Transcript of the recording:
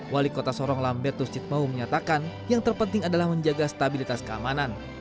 wali kota sorong lambertus citmau menyatakan yang terpenting adalah menjaga stabilitas keamanan